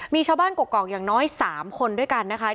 มีชาวบ้านกกอกอย่างน้อย๓คนด้วยกันนะคะ